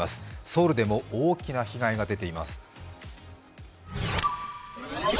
ソウルでも大きな被害が出ています。